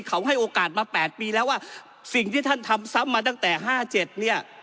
เขาให้โอกาสมา๘ปีแล้วว่าสิ่งที่ท่านทำซ้ำมาตั้งแต่๕๗เนี่ย